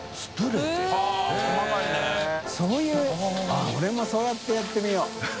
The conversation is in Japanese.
舛俺もそうやってやってみよう。